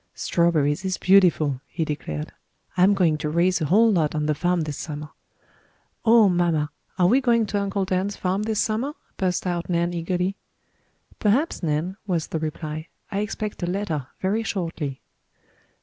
"Strawberries is beautiful," he declared. "I'm going to raise a whole lot on the farm this summer." "Oh, mamma, are we going to Uncle Dan's farm this summer?" burst out Nan eagerly. "Perhaps, Nan," was the reply. "I expect a letter very shortly."